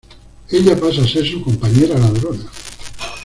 Ella pasa a ser su compañera ladrona.